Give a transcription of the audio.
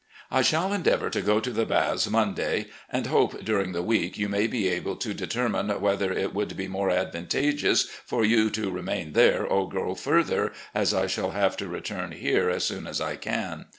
I shall endeavour to go to the Baths Mon day, and hope during the week you may be able to deter mine whether it would be more advantageous for you to remain there or go further, as I shall have to return here as soon as I can.